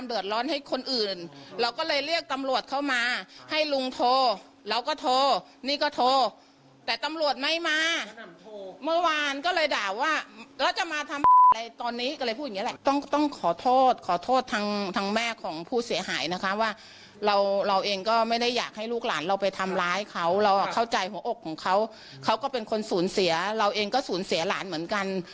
เพราะอกของเขาเขาก็เป็นคนสูญเสียเราเองก็สูญเสียหลานเหมือนกัน